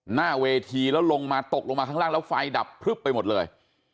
หน้าเวทีแล้วลงมาตกลงมาข้างล่างแล้วไฟดับพลึบไปหมดเลย